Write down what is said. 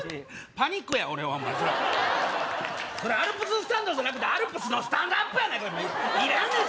パニックや俺はそれアルプススタンドじゃなくてアルプスのスタンドアップやないかいらんねん